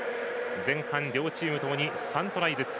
前半両チームともに３トライずつ。